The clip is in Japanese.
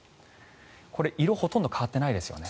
これ、色ほとんど変わってないですよね。